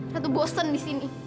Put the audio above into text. ratu bosen di sini